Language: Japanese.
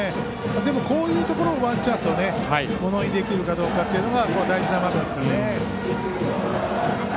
でもこういうところのワンチャンスをものにできるかどうかが大事な場面ですからね。